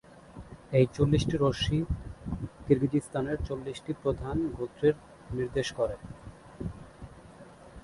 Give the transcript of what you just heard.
এই চল্লিশটি রশ্মি কিরগিজস্তানের চল্লিশটি প্রধান গোত্রের নির্দেশ করে।